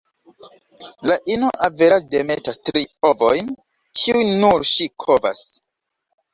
La ino averaĝe demetas tri ovojn, kiujn nur ŝi kovas.